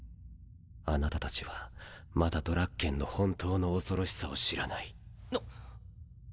あなたたちはまだドラッケンの本当の恐ろしさを知らない。